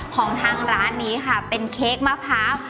ของทางร้านนี้ค่ะเป็นเค้กมะพร้าว